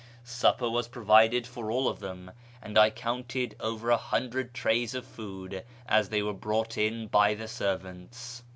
Supper was provided for all of them, and I counted over a hundred trays of food as they were brought in by the servants.